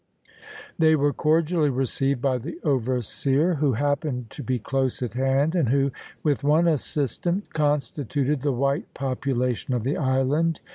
They were cordially received by the overseer, who happened to be close at hand, and who, with one assistant, constituted the white population of the island.